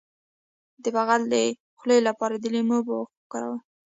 د بغل د خولې لپاره د لیمو اوبه وکاروئ